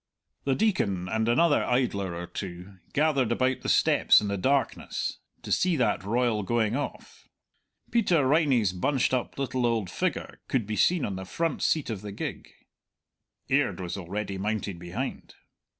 The Deacon and another idler or two gathered about the steps in the darkness, to see that royal going off. Peter Riney's bunched up little old figure could be seen on the front seat of the gig; Aird was already mounted behind.